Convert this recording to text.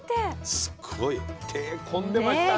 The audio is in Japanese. すっごい手込んでましたね。